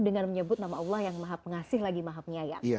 dengan menyebut nama allah yang maha pengasih lagi maha penyayang